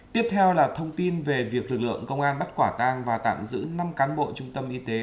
tiếp theo là thông tin về việc lực lượng công an bắt quả tang và tạm giữ năm cán bộ trung tâm y tế